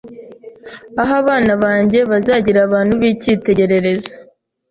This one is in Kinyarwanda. aha abana banjye bazagira abantu b’icyitegererezo